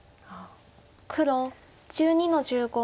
黒１２の十五。